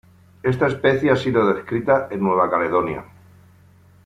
Esta especie ha sido descrita en Nueva Caledonia.